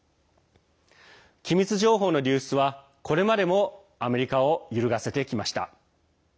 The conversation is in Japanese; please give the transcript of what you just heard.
機密情報の流出は、これまでもアメリカを揺るがせてきました。